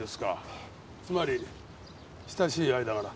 つまり親しい間柄。